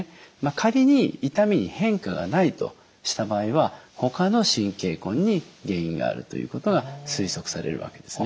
仮に痛みに変化がないとした場合はほかの神経根に原因があるということが推測されるわけですね。